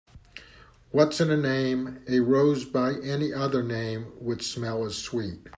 What's in a name? A rose by any other name would smell as sweet.